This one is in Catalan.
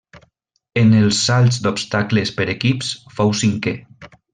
En els salts d'obstacles per equips fou cinquè.